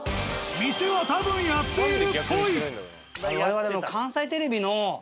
店は多分やっているっぽい。